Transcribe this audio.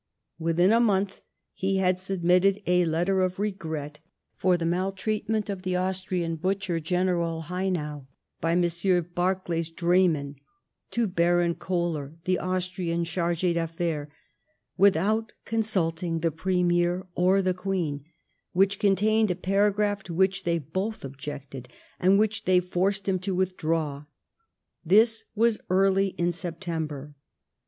Within a month he had submitted a letter of regret for the maltreatment 'of the " Austrian butcher " General Haynau, by Messrs. Barclay's draymen, to Baron KoUer the Austrian Charg6 d' Affaires, without consulting the Premier or the Queen, which contained a paragraph to which they both objected, and which they forced him to withdraw. This was early in Septeiaber.